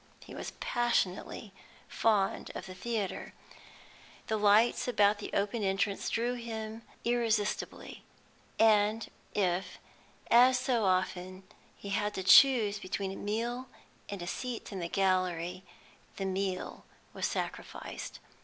He was passionately found of the theatre; the lights about the open entrance drew him on irresistibly, and if, as so often, he had to choose between a meal and a seat in the gallery, the meal was sacrificed.